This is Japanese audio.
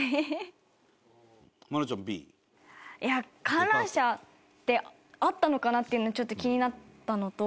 観覧車ってあったのかなっていうのちょっと気になったのと。